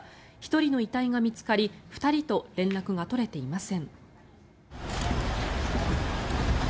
１人の遺体が見つかり２人と連絡が取れていません。